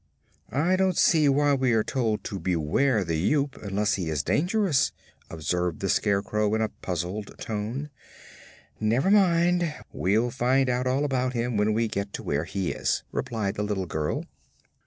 "I don't see why we are told to beware the Yoop unless he is dangerous," observed the Scarecrow in a puzzled tone. "Never mind; we'll find out all about him when we get to where he is," replied the little girl.